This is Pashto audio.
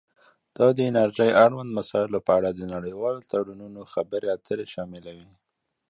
دا د انرژۍ اړوند مسایلو په اړه د نړیوالو تړونونو خبرې اترې شاملوي